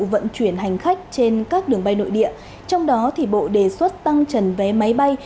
vận chuyển hành khách trên các đường bay nội địa trong đó bộ đề xuất tăng trần vé máy bay